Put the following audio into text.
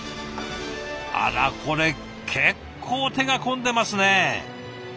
あらこれ結構手が込んでますね。